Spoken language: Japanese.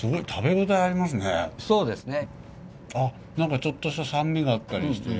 そうですね。